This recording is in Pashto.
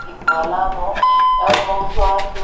قضاوت پر انسانانو څومره ګران دی